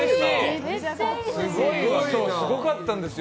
すごかったんですよ